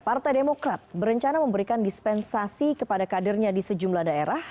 partai demokrat berencana memberikan dispensasi kepada kadernya di sejumlah daerah